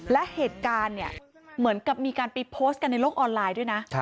และเหตุการณ์เนี่ยเหมือนกับมีการไปโพสต์กันในโลกออนไลน์ด้วยนะ